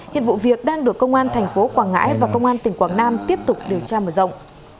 hiện vụ việc đang được công an thành phố quảng ngãi và công an tỉnh quảng nam tiếp tục điều tra mở rộng